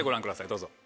どうぞ。